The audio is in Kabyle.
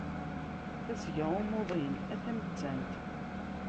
Tasga n umuḍin, a tamettant!